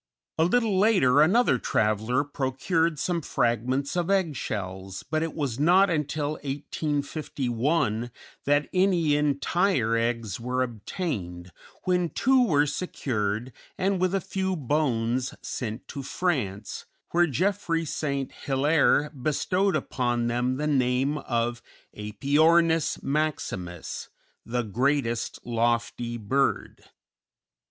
A little later another traveller procured some fragments of egg shells, but it was not until 1851 that any entire eggs were obtained, when two were secured, and with a few bones sent to France, where Geoffroy St. Hilaire bestowed upon them the name of Æpyornis maximus (the greatest lofty bird).